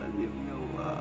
ya allah ya allah